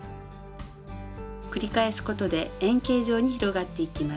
繰り返すことで円形状に広がっていきます。